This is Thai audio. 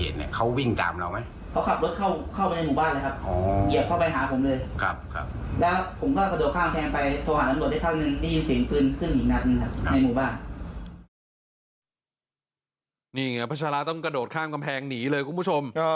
นี่ไงพัชราต้องกระโดดข้ามกำแพงหนีเลยคุณผู้ชม